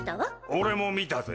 俺も見たぜ。